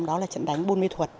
trong đó là trận đánh bôn mê thuật